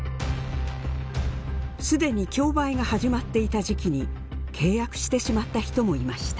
すでに競売が始まっていた時期に契約してしまった人もいました。